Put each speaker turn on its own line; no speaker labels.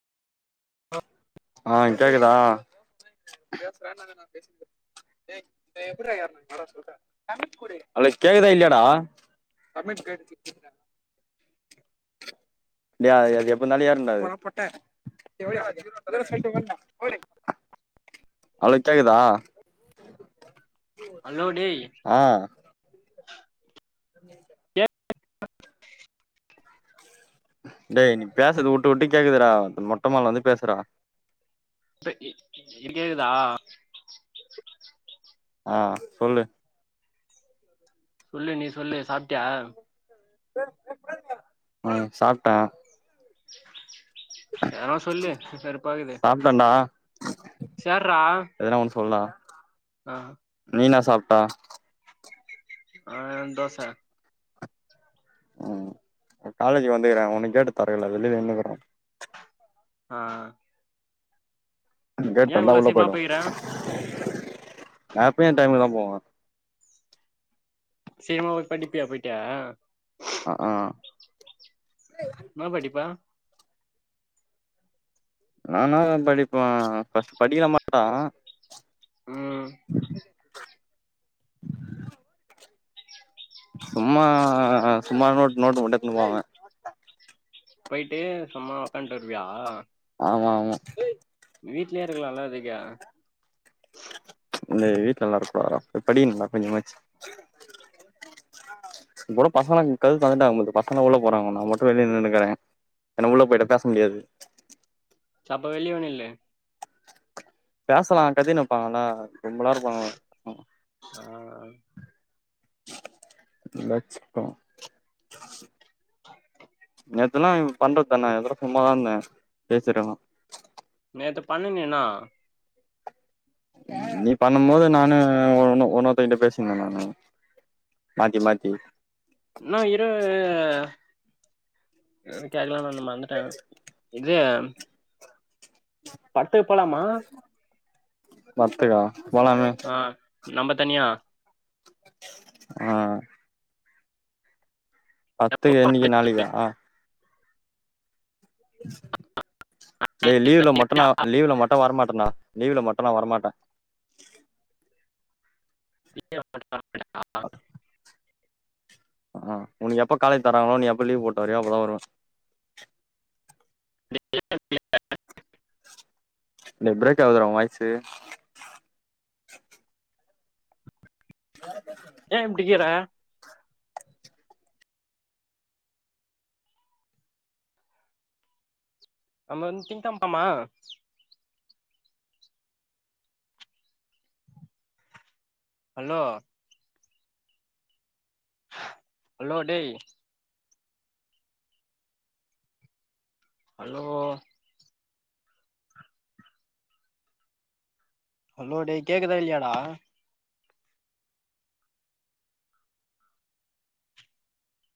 அ
ஆஹ் கேகுதா? அலோ கேக்குதா இல்லியாடா தமிழ் பேசிட்டு இருந்தே டே அது எப்படினாலும் ஏறு டா அது ஹலோ கேக்குதா?
ஹலோ டேய்
ஆ [inaudible] டேய் நீ பேசறது உட்டு உட்டு கேக்குதுடா மொட்டமடில வந்து பேசுடா
இப்ப கேக்குதா?
ஆஹ் சொல்லு
சொல்லு நீ சொல்லு சாப்டியா?
ம் சாப்ட்டே
[inaudible] எதாவது சொல்லு வெறுப்பா இருக்குது
சாப்ட்டேன்டா
சேர்ரா
எதனா ஒன்னு சொல்டா
ஆ
நீ என்ன சாப்ட்ட?
ஆ தோச
ம் காலேஜு வந்துக்கிறே உன்னு கேட்டு தொரகலே வெளில நின்னுகிற
ஆ
கேட்
ஏன்
தொற்ந்த
இவ்ளோ
உள்ள
சீக்கிரமா
போய்டுவ
போய்க்கிற
நா எப்பியு இன் டைம்ல்தா போவே
சீகர்மா போய் படிப்பியா போய்ட்டு
அக்அ
இன்னா படிப்ப?
நானா எதா படிப்பே பஸ்ட் படிக்கலா மாட்ட
ம்
[inaudible] சும்மா சும்மா நோட் நோட்டு மட்டு எத்துனு போவ
போய்ட்டு சும்மா உக்கான்ட்டருவியா
ஆமா ஆமா
வீட்ல்யே இருக்லால அதுக்கு
டே வீட்ல எல்லா இருப்பாங்கடா போய் படிகனுன்டா கொஞ்சமாச்சு [inaudible] [inaudible] இப்குட பசங்கள்லா கது தொந்துட்டாங்போல்து பசங்கள்ல உள்ள போறாங்க நா மட்டு வெளிய நின்னுனுங்கிறே ஏன்ன உள்ள போய்ட்டா பேச முடியாது
செ அப்ப வெளிவே நில்லு
பேசலா கத்தினுப்பாங்கள்ள கும்பலா இருப்பாங்க [unintelligible] ம்
ஆ
[unintelligible] தெல்லா எனும் பண்றத்தான நா எதோ சும்மாதா இந்த பேசிருக்லா
நேத்து பண்ணணே நா
நீ பண்ணும்மோது நானு உ உன்னோ உன்னோர்த்தங்கிட்ட பேசீந்த நானு மாத்தி மாத்தி
[unintelligible] கேக்லான் வந்த மந்துட்டே இது பட்த்துக் போலாமா
பட்த்துக்கா போலாமே
நம்ப தனியா
அ பட்த்துக்கு இன்னிக்கா நாளைக்கா ஆ? டே லீவ்ல மட்டு நா லீவ்ல மட்டு வரமாட்டன்டா லீவ்ல மட்டு நா வரமாட் ட
[inaudible]
அ உனுக்கு எப்ப காலேஜ் தராங்களோ நீ எப்ப லீவ் போட் வரியோ அப்பதா வருவே
[inaudible]
டேய் ப்ரேக் ஆவ்துடா உ வாய்ஸு [inaudible]
ஏ இப்டிக்கிற நம்ம வந் திங்கெம் போம்மா ஹலோ ஹலோ டேய் ஹலோ ஹல்லோ டேய் கேக்குதா இல்லியாடா